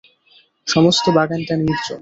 সমস্ত বাগানটা নির্জন।